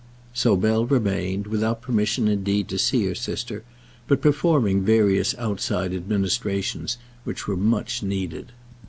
So Bell remained, without permission indeed to see her sister, but performing various outside administrations which were much needed.